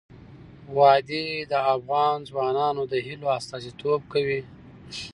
وادي د افغان ځوانانو د هیلو استازیتوب کوي.